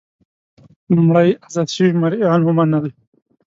لومړی ازاد شوي مریان ومنل.